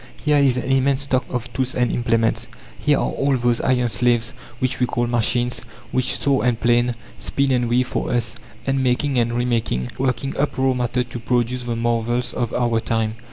Here is an immense stock of tools and implements; here are all those iron slaves which we call machines, which saw and plane, spin and weave for us, unmaking and remaking, working up raw matter to produce the marvels of our time.